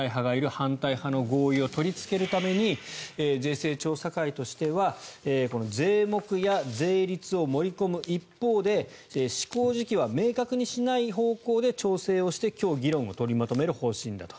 反対派の合意を取りつけるために税制調査会としては税目や税率を盛り込む一方で施行時期は明確にしない方向で調整をして今日、議論を取りまとめる方針だと。